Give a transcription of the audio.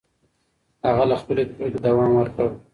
هغه له خپلې پرېکړې دوام ورکړ.